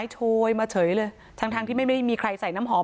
ดอกไม้โชยมาเฉยเลยทั้งที่ไม่มีใครใส่น้ำหอม